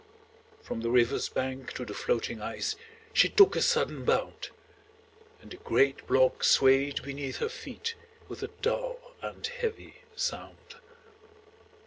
From the river's bank to the floating ice She took a sudden bound, And the great block swayed beneath her feet With a dull and heavy sound.